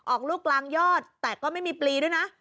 ออกลูกกลางยอดแต่ก็ไม่มีปลีด้วยนะ